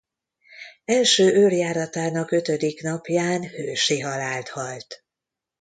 Első őrjáratának ötödik napján hősi halált halt.